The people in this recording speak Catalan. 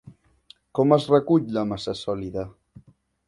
Com es recull la massa sòlida?